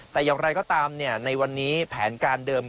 แต่อย่างไรก็ตามในวันนี้แผนการเดิม